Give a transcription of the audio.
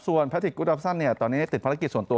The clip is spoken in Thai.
ส่วนพระธิกุฎรัพย์ซั่นตอนนี้ติดภารกิจส่วนตัว